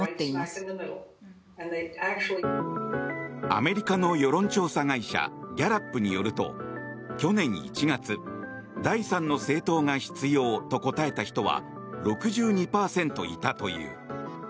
アメリカの世論調査会社ギャラップによると去年１月第三の政党が必要と答えた人は６２％いたという。